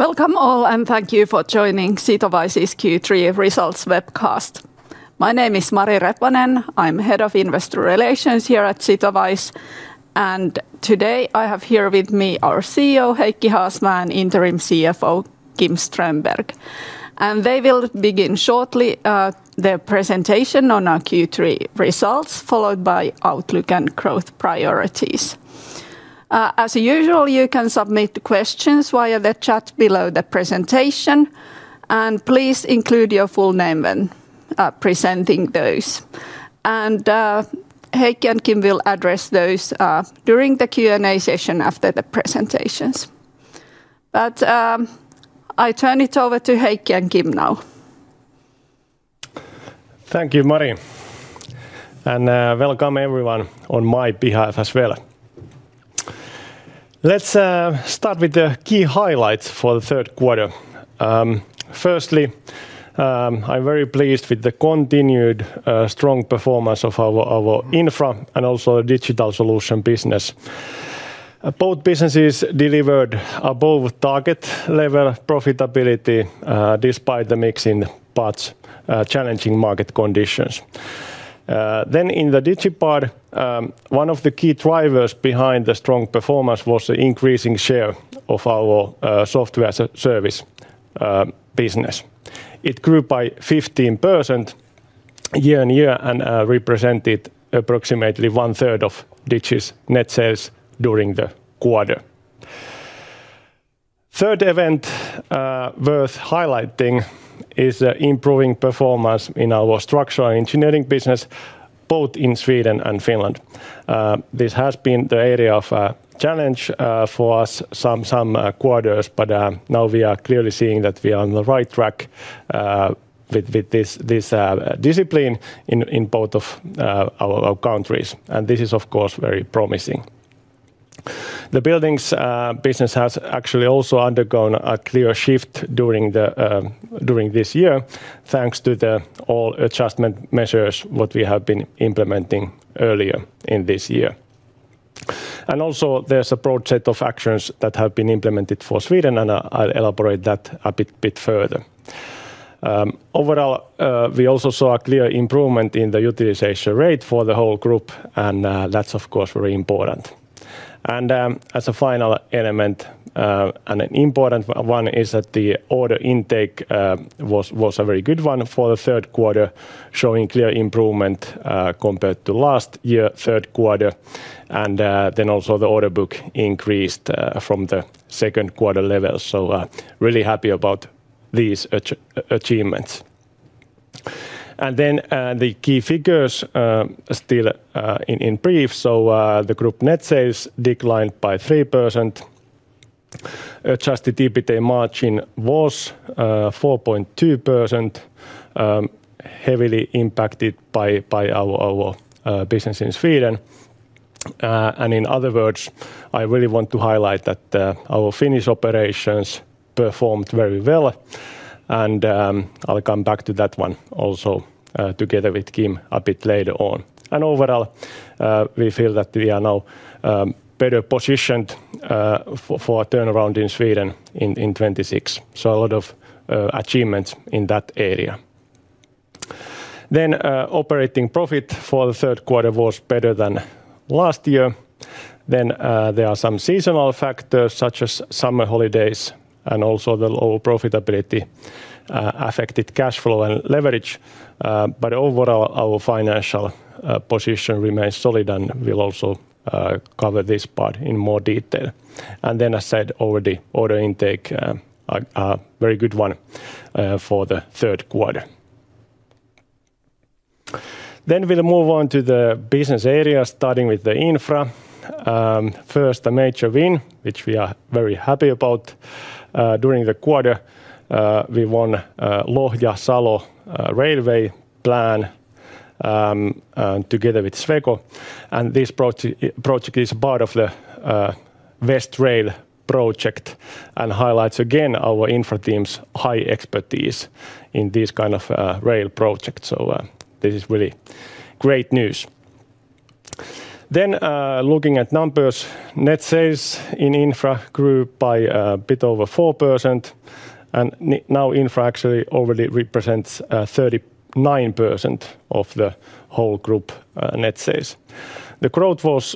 Welcome all, and thank you for joining Sitowise's Q3 Results Webcast. My name is Mari Reponen. I'm Head of Investor Relations here at Sitowise. Today I have here with me our CEO, Heikki Haasmaa, and Interim CFO, Kim Strömberg. They will begin shortly the presentation on our Q3 results, followed by outlook and growth priorities. As usual, you can submit questions via the chat below the presentation. Please include your full name when presenting those. Heikki and Kim will address those during the Q&A session after the presentations. I turn it over to Heikki and Kim now. Thank you, Mari. Welcome everyone on my behalf as well. Let's start with the key highlights for the third quarter. Firstly, I'm very pleased with the continued strong performance of our infra and also digital solution business. Both businesses delivered above target level profitability despite the mixed parts' challenging market conditions. In the Digi part, one of the key drivers behind the strong performance was the increasing share of our software service business. It grew by 15% year on year and represented approximately one third of Digi's net sales during the quarter. A third event worth highlighting is the improving performance in our structural engineering business, both in Sweden and Finland. This has been the area of challenge for us some quarters, but now we are clearly seeing that we are on the right track with this discipline in both of our countries. This is, of course, very promising. The buildings business has actually also undergone a clear shift during this year, thanks to the all-adjustment measures that we have been implementing earlier in this year. There is also a broad set of actions that have been implemented for Sweden, and I'll elaborate on that a bit further. Overall, we also saw a clear improvement in the utilization rate for the whole group, and that is, of course, very important. As a final element, and an important one, the order intake was a very good one for the third quarter, showing clear improvement compared to last year's third quarter. The order book also increased from the second quarter level. Really happy about these achievements. The key figures, still in brief: the group net sales declined by 3%. Adjusted EBITDA margin was 4.2%. Heavily impacted by our business in Sweden. In other words, I really want to highlight that our Finnish operations performed very well. I will come back to that one also together with Kim a bit later on. Overall, we feel that we are now better positioned for a turnaround in Sweden in 2026. A lot of achievements in that area. Operating profit for the third quarter was better than last year. There are some seasonal factors such as summer holidays and also the low profitability affected cash flow and leverage. Overall, our financial position remains solid and we will also cover this part in more detail. As I said already, order intake, a very good one for the third quarter. We will move on to the business area, starting with the infra. First, a major win, which we are very happy about. During the quarter, we won Lohja-Salo railway plan together with Sweco. This project is part of the West Rail project and highlights again our infra team's high expertise in this kind of rail project. This is really great news. Looking at numbers, net sales in infra grew by a bit over 4%. Now infra actually already represents 39% of the whole group net sales. The growth was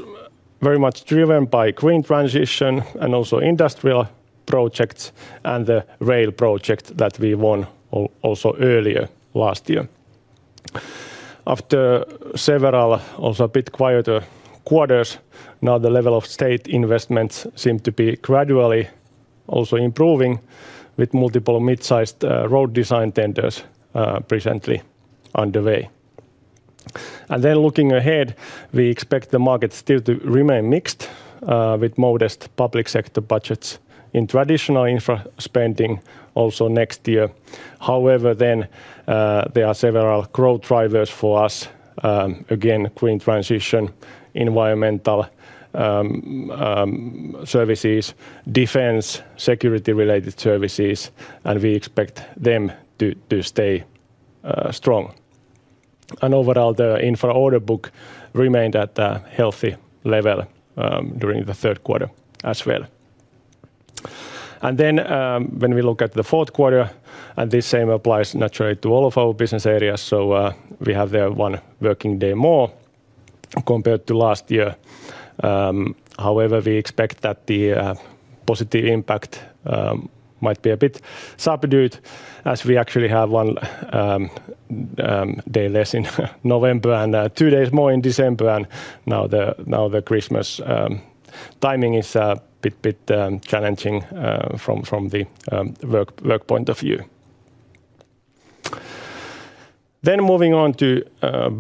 very much driven by green transition and also industrial projects and the rail project that we won also earlier last year. After several also a bit quieter quarters, the level of state investments seem to be gradually also improving with multiple mid-sized road design tenders presently underway. Looking ahead, we expect the market still to remain mixed with modest public sector budgets in traditional infra spending also next year. However, then. There are several growth drivers for us. Again, green transition, environmental services, defense, security-related services, and we expect them to stay strong. Overall, the infra order book remained at a healthy level during the third quarter as well. When we look at the fourth quarter, this same applies naturally to all of our business areas, so we have there one working day more compared to last year. However, we expect that the positive impact might be a bit subdued as we actually have one day less in November and two days more in December. Now the Christmas timing is a bit challenging from the work point of view. Moving on to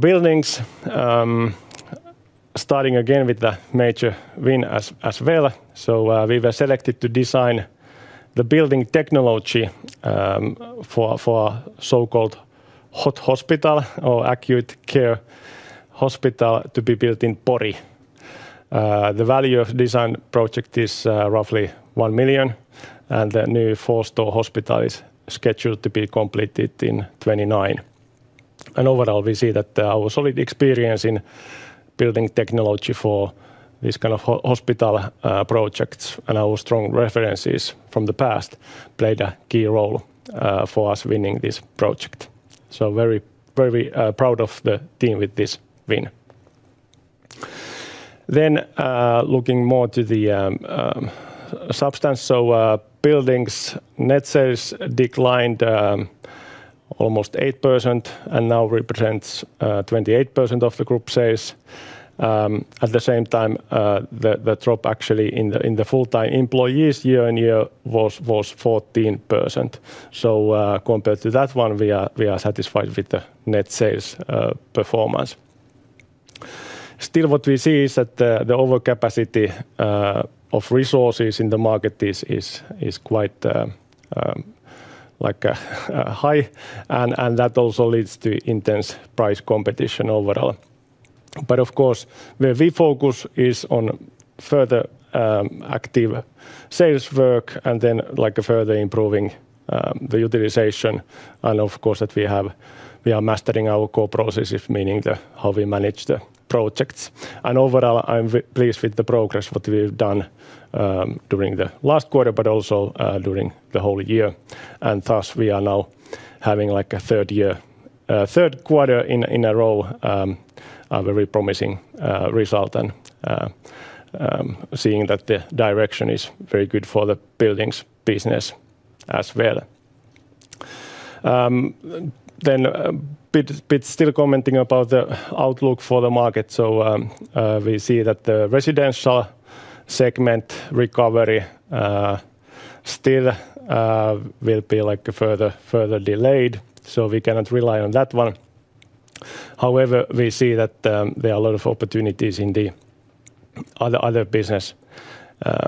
buildings, starting again with the major win as well. We were selected to design the building technology for a so-called hot hospital or acute care hospital to be built in Pori. The value of the design project is roughly 1 million, and the new four-store hospital is scheduled to be completed in 2029. Overall, we see that our solid experience in building technology for this kind of hospital projects and our strong references from the past played a key role for us winning this project. Very proud of the team with this win. Looking more to the substance, buildings net sales declined almost 8% and now represents 28% of the group sales. At the same time, the drop actually in the full-time employees year on year was 14%. Compared to that one, we are satisfied with the net sales performance. Still, what we see is that the overcapacity of resources in the market is quite high, and that also leads to intense price competition overall. Of course, where we focus is on further. Active sales work and then further improving the utilization. Of course, that we have. Mastering our core processes, meaning how we manage the projects. Overall, I'm pleased with the progress what we've done during the last quarter, but also during the whole year. Thus, we are now having a third quarter in a row. A very promising result and seeing that the direction is very good for the buildings business as well. Still commenting about the outlook for the market, we see that the residential segment recovery still will be further delayed, so we cannot rely on that one. However, we see that there are a lot of opportunities in the other business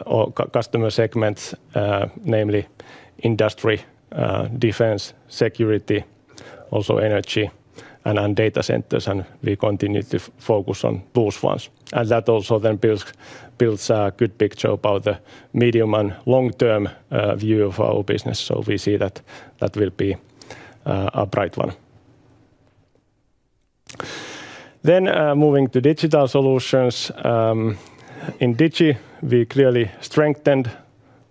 or customer segments, namely industry, defense, security, also energy, and data centers. We continue to focus on those ones. That also then builds a good picture about the medium and long-term view of our business. We see that that will be a bright one. Moving to digital solutions. In Digi, we clearly strengthened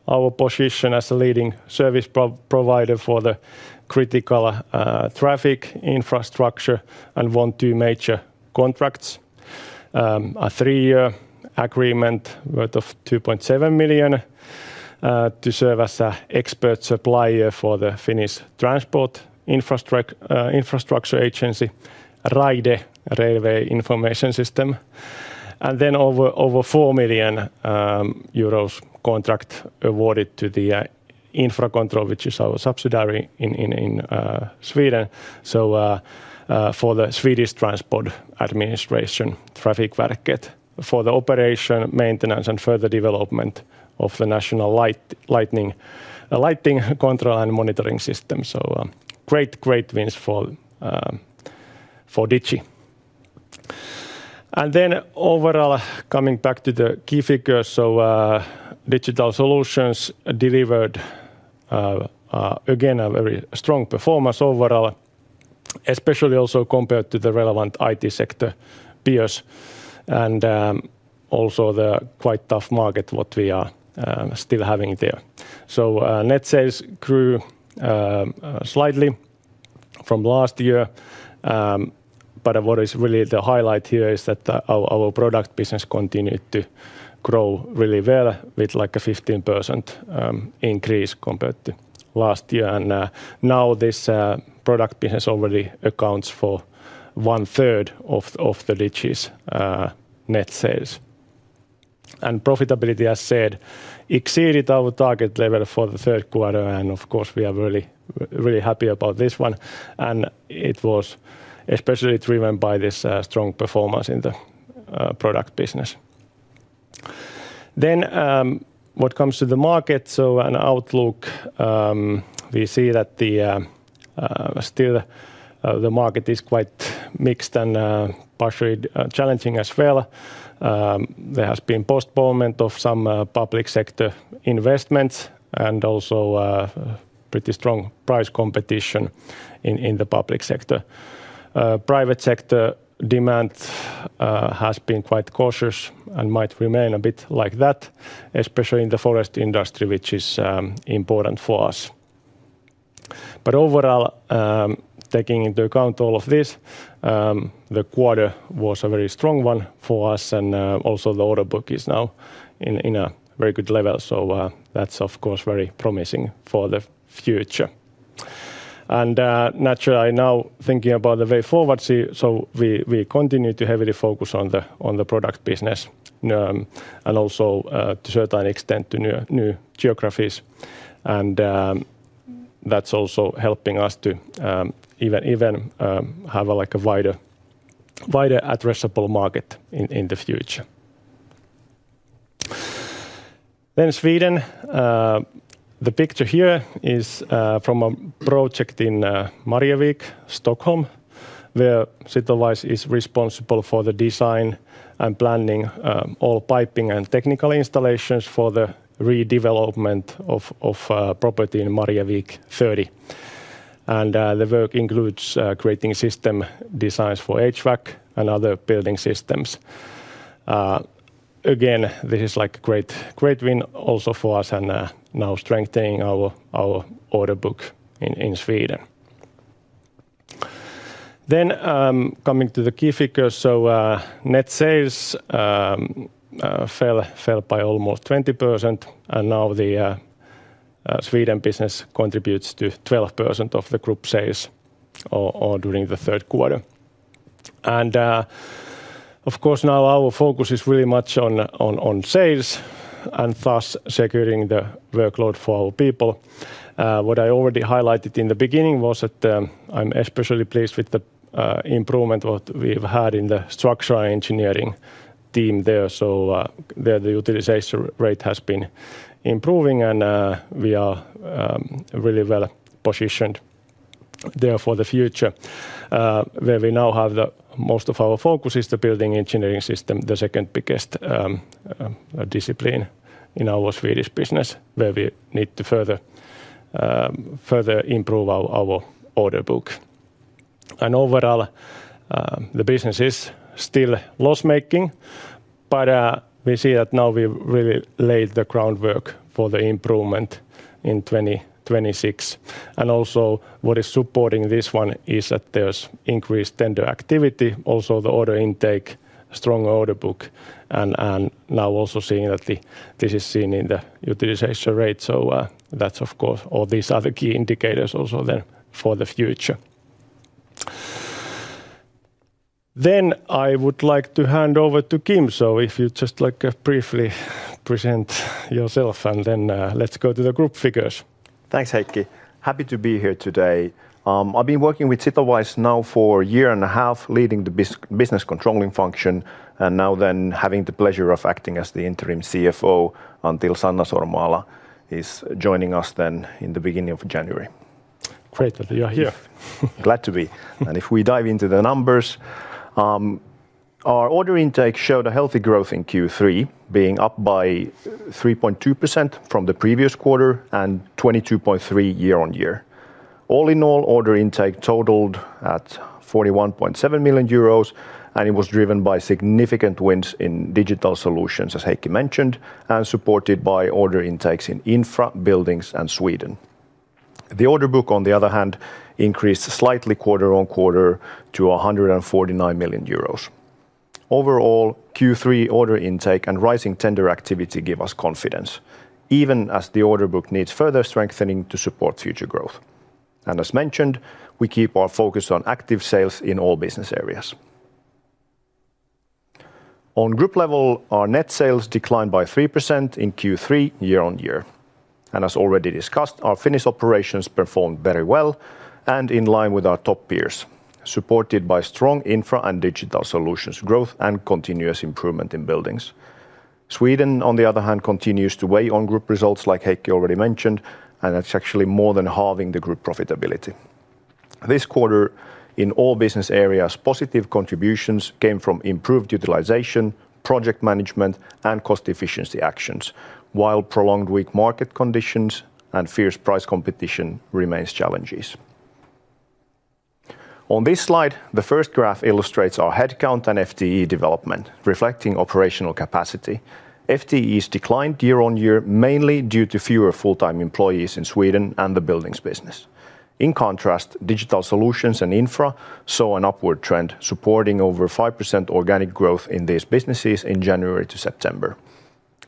our position as a leading service provider for the critical traffic infrastructure and won two major contracts. A three-year agreement worth 2.7 million to serve as an expert supplier for the Finnish transport infrastructure agency, Raide Railway Information System. And then over 4 million euros contract awarded to Infra Control, which is our subsidiary in Sweden, for the Swedish transport administration, Trafikverket, for the operation, maintenance, and further development of the national lightning control and monitoring system. Great wins for Digi. Overall, coming back to the key figures, digital solutions delivered again a very strong performance overall. Especially also compared to the relevant IT sector peers and also the quite tough market what we are still having there. Net sales grew slightly from last year. What is really the highlight here is that our product business continued to grow really well with like a 15% increase compared to last year. Now this product business already accounts for one third of the Digi net sales. Profitability, as said, exceeded our target level for the third quarter. Of course, we are really happy about this one. It was especially driven by this strong performance in the product business. What comes to the market and outlook, we see that still the market is quite mixed and partially challenging as well. There has been postponement of some public sector investments and also pretty strong price competition in the public sector. Private sector demand has been quite cautious and might remain a bit like that, especially in the forest industry, which is important for us. Overall, taking into account all of this, the quarter was a very strong one for us. The order book is now at a very good level. That is of course very promising for the future. Naturally, I am now thinking about the way forward, so we continue to heavily focus on the product business and also to a certain extent to new geographies. That is also helping us to even have a wider addressable market in the future. Sweden. The picture here is from a project in Marievik, Stockholm, where Sitowise is responsible for the design and planning of all piping and technical installations for the redevelopment of property in Marievik 30. The work includes creating system designs for HVAC and other building systems. This is a great win also for us and now strengthening our order book in Sweden. Coming to the key figures, net sales fell by almost 20%. Now the Sweden business contributes to 12% of the group sales during the third quarter. Of course, now our focus is really much on sales and thus securing the workload for our people. What I already highlighted in the beginning was that I'm especially pleased with the improvement we have had in the structural engineering team there. The utilization rate has been improving and we are really well positioned there for the future. Where we now have most of our focus is the building engineering system, the second biggest discipline in our Swedish business, where we need to further. Improve our order book. Overall, the business is still loss-making, but we see that now we really laid the groundwork for the improvement in 2026. Also, what is supporting this one is that there is increased tender activity, also the order intake, strong order book, and now also seeing that this is seen in the utilization rate. Of course, all these are key indicators also then for the future. I would like to hand over to Kim, so if you'd just like to briefly present yourself and then let's go to the group figures. Thanks, Heikki. Happy to be here today. I've been working with Sitowise now for a year and a half, leading the business controlling function, and now then having the pleasure of acting as the Interim CFO until Sanna Sormaala is joining us in the beginning of January. Great that you're here. Glad to be. If we dive into the numbers, our order intake showed a healthy growth in Q3, being up by 3.2% from the previous quarter and 22.3% year on year. All in all, order intake totaled at 41.7 million euros, and it was driven by significant wins in digital solutions, as Heikki mentioned, and supported by order intakes in infra, buildings, and Sweden. The order book, on the other hand, increased slightly quarter on quarter to 149 million euros. Overall, Q3 order intake and rising tender activity give us confidence, even as the order book needs further strengthening to support future growth. As mentioned, we keep our focus on active sales in all business areas. On group level, our net sales declined by 3% in Q3 year on year. As already discussed, our Finnish operations performed very well and in line with our top peers, supported by strong infra and digital solutions growth and continuous improvement in buildings. Sweden, on the other hand, continues to weigh on group results, like Heikki already mentioned, and it is actually more than halving the group profitability. This quarter, in all business areas, positive contributions came from improved utilization, project management, and cost efficiency actions, while prolonged weak market conditions and fierce price competition remain challenges. On this slide, the first graph illustrates our headcount and FTE development, reflecting operational capacity. FTEs declined year on year, mainly due to fewer full-time employees in Sweden and the buildings business. In contrast, digital solutions and infra saw an upward trend, supporting over 5% organic growth in these businesses in January to September.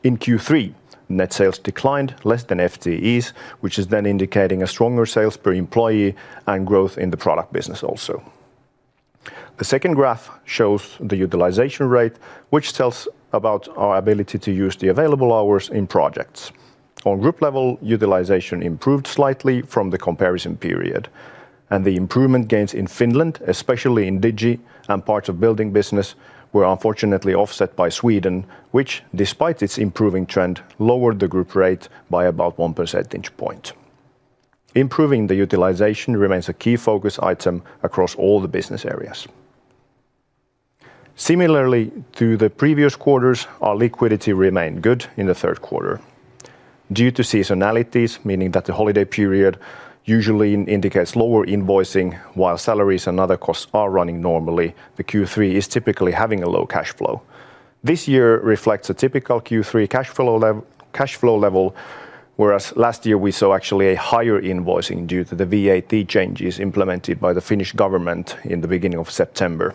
In Q3, net sales declined less than FTEs, which is then indicating a stronger sales per employee and growth in the product business also. The second graph shows the utilization rate, which tells about our ability to use the available hours in projects. On group level, utilization improved slightly from the comparison period. The improvement gains in Finland, especially in Digi and parts of building business, were unfortunately offset by Sweden, which, despite its improving trend, lowered the group rate by about 1% each point. Improving the utilization remains a key focus item across all the business areas. Similarly to the previous quarters, our liquidity remained good in the third quarter. Due to seasonalities, meaning that the holiday period usually indicates lower invoicing, while salaries and other costs are running normally, the Q3 is typically having a low cash flow. This year reflects a typical Q3 cash flow level, whereas last year we saw actually a higher invoicing due to the VAT changes implemented by the Finnish government in the beginning of September.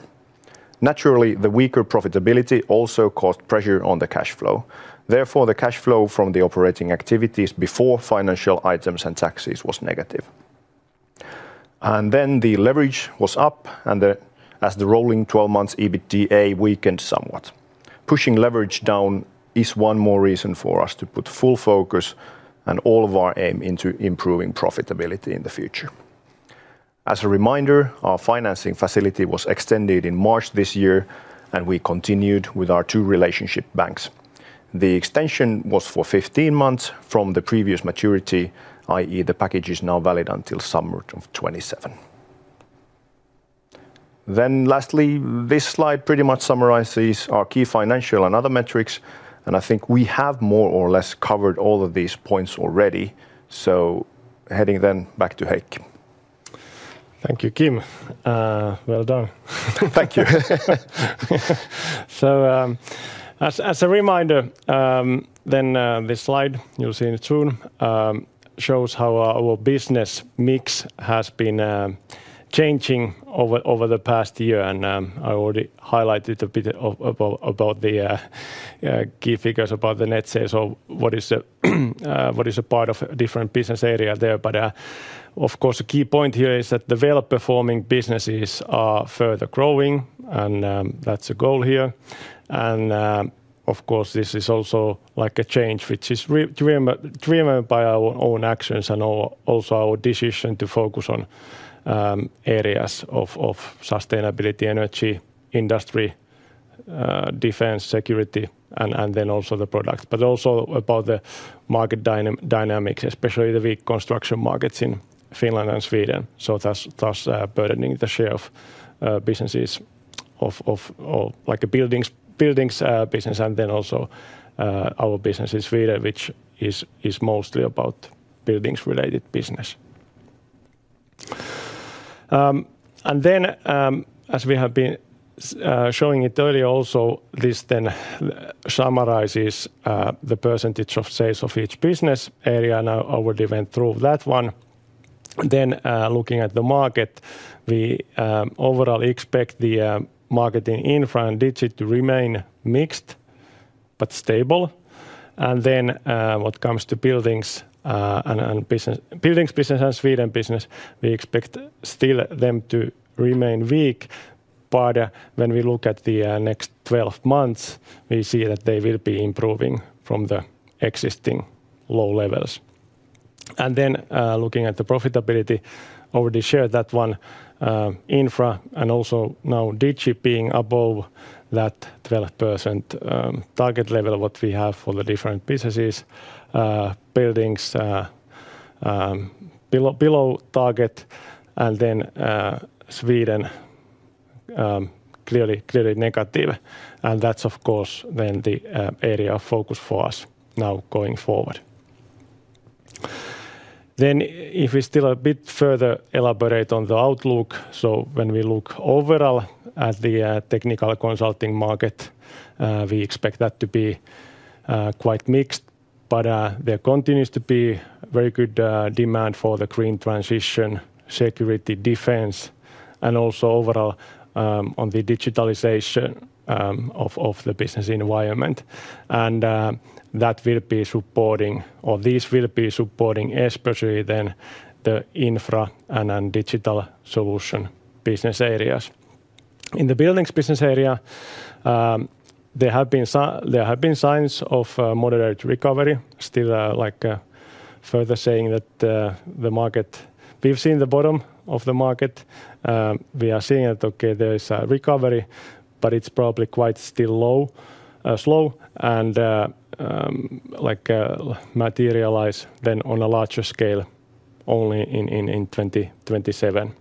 Naturally, the weaker profitability also caused pressure on the cash flow. Therefore, the cash flow from the operating activities before financial items and taxes was negative. The leverage was up, as the rolling 12-month EBITDA weakened somewhat. Pushing leverage down is one more reason for us to put full focus and all of our aim into improving profitability in the future. As a reminder, our financing facility was extended in March this year, and we continued with our two relationship banks. The extension was for 15 months from the previous maturity, i.e., the package is now valid until summer of 2027. Lastly, this slide pretty much summarizes our key financial and other metrics, and I think we have more or less covered all of these points already. Heading back to Heikki. Thank you, Kim. Well done. Thank you. As a reminder, this slide you'll see soon shows how our business mix has been changing over the past year. I already highlighted a bit about the key figures about the net sales. What is the part of a different business area there? Of course, the key point here is that the well-performing businesses are further growing, and that's the goal here. This is also like a change, which is driven by our own actions and also our decision to focus on areas of sustainability, energy, industry, defense, security, and then also the product. But also about the market dynamics, especially the weak construction markets in Finland and Sweden. That is burdening the share of businesses, like a buildings business, and then also our business in Sweden, which is mostly about buildings-related business. As we have been showing it earlier, also this then summarizes the percentage of sales of each business area. I already went through that one. Looking at the market, we overall expect the market in infra and digit to remain mixed but stable. What comes to buildings and business and Sweden business, we expect still them to remain weak. When we look at the next 12 months, we see that they will be improving from the existing low levels. Looking at the profitability, already shared that one. Infra and also now digit being above that 12%. Target level what we have for the different businesses. Buildings. Below target, and then Sweden. Clearly negative. That is of course the area of focus for us now going forward. If we still a bit further elaborate on the outlook, when we look overall at the technical consulting market, we expect that to be quite mixed, but there continues to be very good demand for the green transition, security, defense, and also overall on the digitalization of the business environment. That will be supporting, or these will be supporting especially the infra and digital solution business areas. In the buildings business area, there have been signs of moderate recovery, still like, further saying that the market, we have seen the bottom of the market. We are seeing that, okay, there is a recovery, but it is probably quite still slow. Like. Materialize then on a larger scale only in 2027.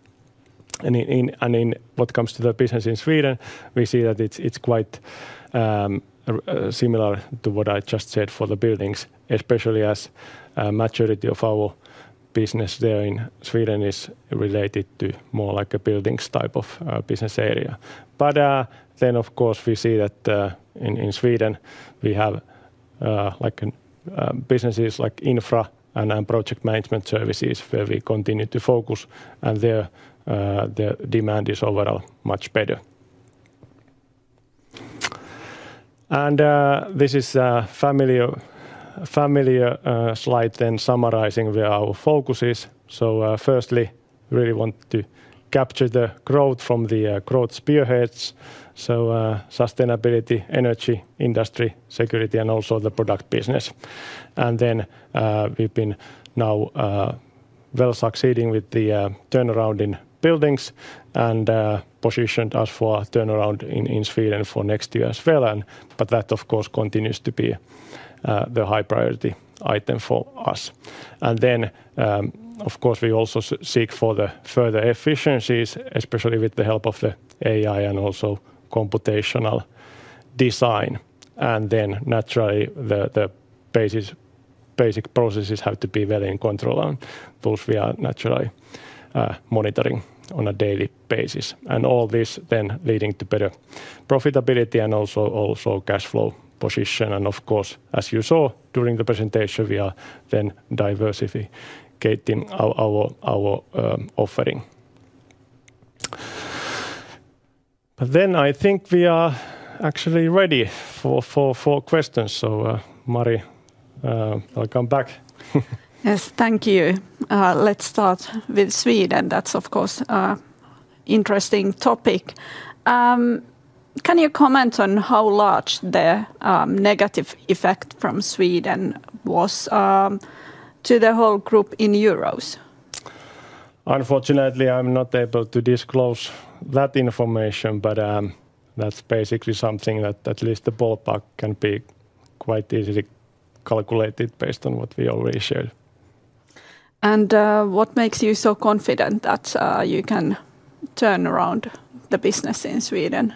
In what comes to the business in Sweden, we see that it's quite similar to what I just said for the buildings, especially as a majority of our business there in Sweden is related to more like a buildings type of business area. Of course, we see that in Sweden we have like businesses like infra and project management services where we continue to focus, and there the demand is overall much better. This is a familiar slide then summarizing where our focus is. Firstly, we really want to capture the growth from the growth spearheads. Sustainability, energy industry, security, and also the product business. We've been now succeeding with the turnaround in buildings and positioned us for a turnaround in Sweden for next year as well. That of course continues to be the high priority item for us. Of course we also seek for the further efficiencies, especially with the help of the AI and also computational design. Naturally the basic processes have to be well in control and those we are naturally monitoring on a daily basis. All this then leading to better profitability and also cash flow position. Of course, as you saw during the presentation, we are then diversifying our offering. I think we are actually ready for questions. Mari, welcome back. Yes, thank you. Let's start with Sweden. That's of course an interesting topic. Can you comment on how large the negative effect from Sweden was to the whole group in Euros? Unfortunately, I'm not able to disclose that information, but that's basically something that at least the ballpark can be quite easily calculated based on what we already shared. What makes you so confident that you can turn around the business in Sweden?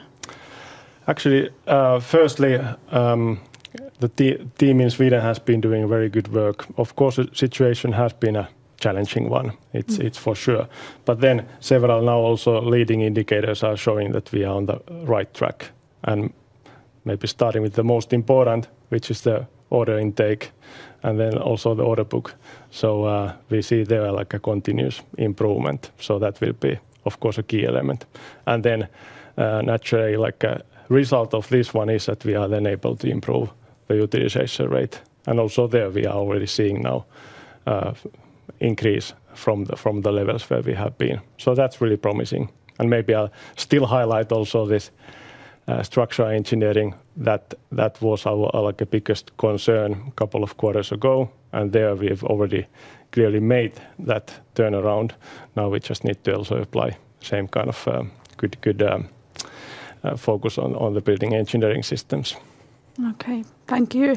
Actually, firstly, the team in Sweden has been doing very good work. Of course, the situation has been a challenging one, it's for sure. Several now also leading indicators are showing that we are on the right track. Maybe starting with the most important, which is the order intake, and then also the order book. We see there is like a continuous improvement. That will be of course a key element. Naturally, like a result of this one is that we are then able to improve the utilization rate. Also there we are already seeing now. An increase from the levels where we have been. That is really promising. Maybe I will still highlight also this. Structural engineering, that was our biggest concern a couple of quarters ago. There we have already clearly made that turnaround. Now we just need to also apply the same kind of good focus on the building engineering systems. Okay, thank you.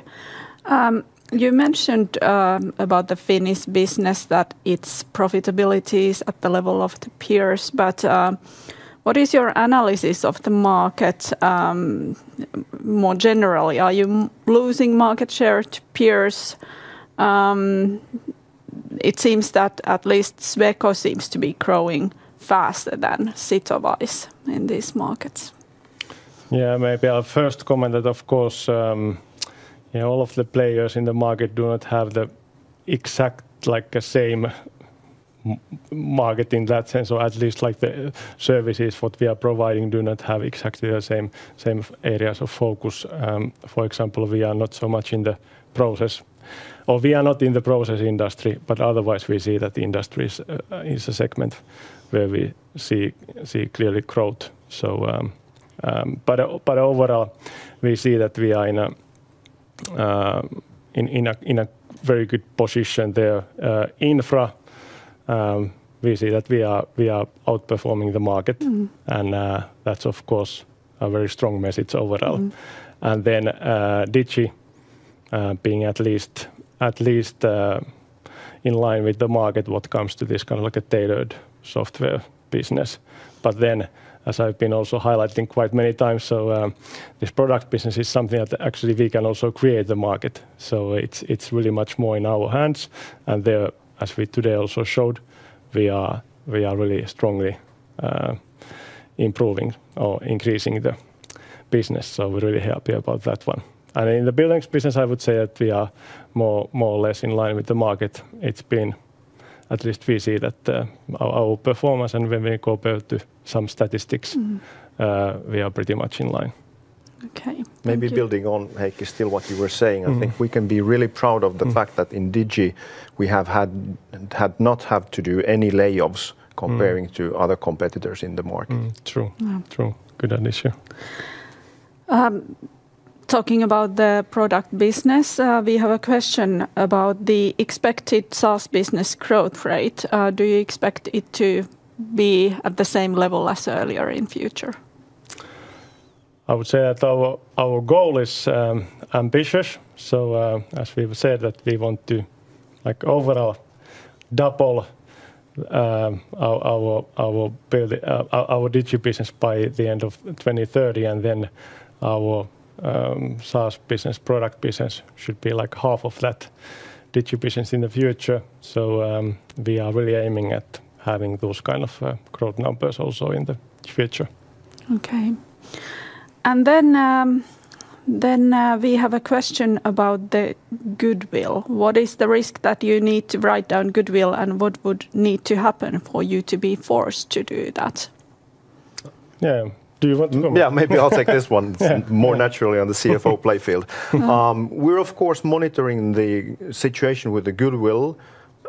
You mentioned about the Finnish business that its profitability is at the level of the peers. What is your analysis of the market more generally? Are you losing market share to peers? It seems that at least Sweco seems to be growing faster than Sitowise in these markets. Yeah, maybe I will first comment that of course all of the players in the market do not have the exact same market in that sense. Or at least like the services what we are providing do not have exactly the same areas of focus. For example, we are not so much in the process. Or we are not in the process industry. Otherwise, we see that industry is a segment where we see clearly growth. Overall, we see that we are in a very good position there. Infra, we see that we are outperforming the market, and that is of course a very strong message overall. Then Digi, being at least in line with the market when it comes to this kind of like a tailored software business. As I have been also highlighting quite many times, this product business is something that actually we can also create the market. It is really much more in our hands, and there, as we today also showed, we are really strongly. Improving or increasing the business. We are really happy about that one. In the buildings business, I would say that we are more or less in line with the market. At least we see that our performance, and when we compare to some statistics, we are pretty much in line. Okay. Maybe building on Heikki still, what you were saying, I think we can be really proud of the fact that in Digi we have had not have to do any layoffs comparing to other competitors in the market. True, true. Good addition. Talking about the product business, we have a question about the expected SaaS business growth rate. Do you expect it to be at the same level as earlier in future? I would say that our goal is ambitious. As we have said, we want to, like, overall double our. Digi business by the end of 2030. And then our SaaS business product business should be like half of that Digi business in the future. We are really aiming at having those kind of growth numbers also in the future. Okay. We have a question about the goodwill. What is the risk that you need to write down goodwill and what would need to happen for you to be forced to do that? Yeah, do you want to go? Yeah, maybe I'll take this one more naturally on the CFO playfield. We're of course monitoring the situation with the goodwill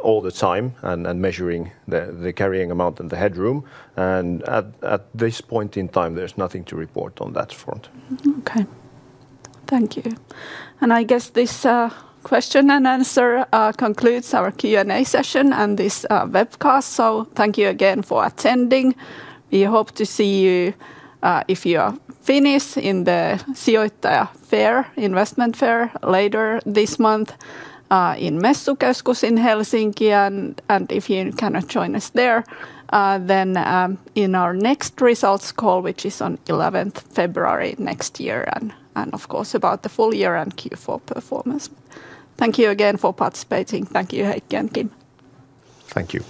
all the time and measuring the carrying amount and the headroom. At this point in time, there's nothing to report on that front. Okay. Thank you. I guess this question and answer concludes our Q&A session and this webcast. Thank you again for attending. We hope to see you if you are Finnish in the Sijoittaja Fair, Investment Fair later this month in Messukeskus in Helsinki. If you cannot join us there, then in our next results call, which is on 11th February next year, and of course about the full year and Q4 performance. Thank you again for participating. Thank you, Heikki and Kim. Thank you.